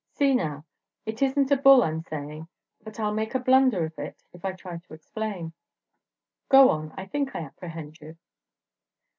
See, now, it isn 't a bull I 'm sayin', but I 'll make a blunder of it if I try to explain." "Go on; I think I apprehend you."